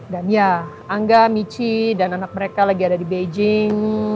dan ya angga michi dan anak mereka lagi ada di beijing